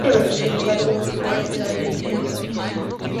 Sin embargo volvió rápidamente el país.